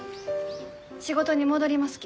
仕事に戻りますき。